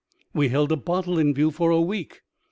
We held a bottle in view for a week.